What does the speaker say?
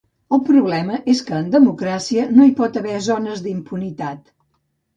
El problema és que en democràcia no hi pot haver zones d’impunitat.